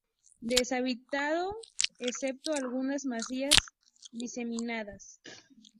Deshabitado, excepto algunas masías diseminadas.